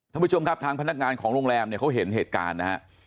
ท่านผู้ชมครับทางพนักงานของโรงแรมเนี่ยเขาเห็นเหตุการณ์นะฮะ